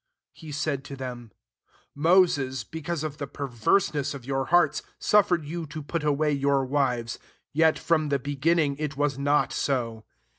8 He said to them, '* Moses, because of the perverseness of your hearts, suffered you to put away your wives s yet from the befpnning it was not so.